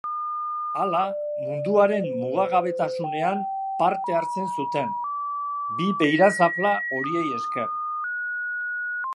Hala, munduaren mugagabetasunean parte hartzen zuten, bi beirazafla horiei esker.